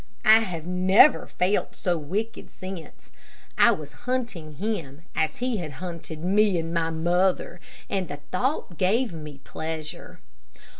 I have never felt so wicked since. I was hunting him, as he had hunted me and my mother, and the thought gave me pleasure.